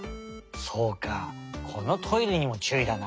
そうかこのトイレにもちゅういだな。